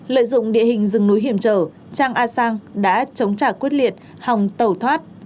lợi dụng địa hình rừng núi hiểm trở trang a sang đã chống trả quyết liệt hòng tẩu thoát